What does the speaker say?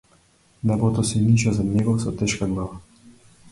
Небото се ниша зад него со тешка глава.